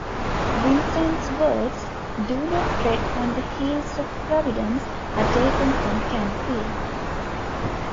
Vincent's words, "Do not tread on the heels of Providence," are taken from Canfield.